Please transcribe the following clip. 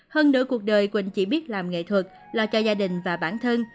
hơn nửa cuộc đời quỳnh chỉ biết làm nghệ thuật lo cho gia đình và bản thân